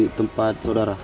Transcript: di tempat saudara